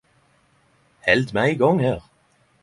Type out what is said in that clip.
Held med ein gong her.